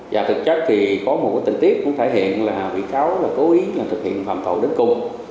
và thực chất thì có một tình tiết thể hiện là vị kháo cố ý thực hiện phạm thội đến cùng